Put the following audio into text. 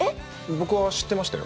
僕は知ってましたよ。